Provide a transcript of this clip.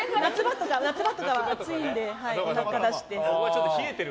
夏場とかは暑いのでおなか出して。